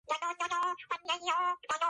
მიახლოებულია ესპანურ ენასთან.